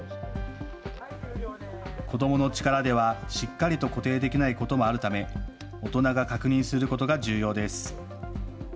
子どもの力ではしっかりと固定できないこともあるため大人が確認することが重要です。